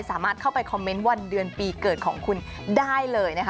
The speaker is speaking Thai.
สามารถเข้าไปคอมเมนต์วันเดือนปีเกิดของคุณได้เลยนะคะ